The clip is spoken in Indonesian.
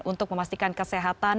untuk memastikan kesehatan